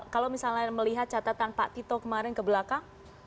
kalau misalnya melihat catatan pak tito kemarin ke belakang